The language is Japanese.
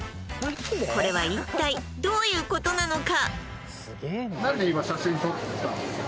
これは一体どういうことなのか？